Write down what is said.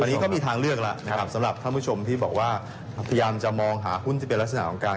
วันนี้ก็มีทางเลือกแล้วนะครับสำหรับท่านผู้ชมที่บอกว่าพยายามจะมองหาหุ้นที่เป็นลักษณะของการ